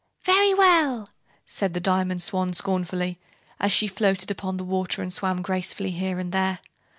"Very well," said the Diamond Swan scornfully, as she floated upon the water and swam gracefully here and there.